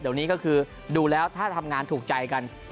เดี๋ยวนี้ก็คือดูแล้วถ้าทำงานถูกใจกัน